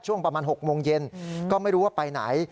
ช่วงประมาณ๖โมงเย็นก็ไม่รู้ว่าไปไหน